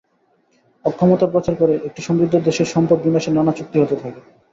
অক্ষমতার প্রচার করে, একটি সমৃদ্ধ দেশের সম্পদ বিনাশের নানা চুক্তি হতে থাকে।